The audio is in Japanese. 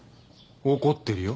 怒ってるよ。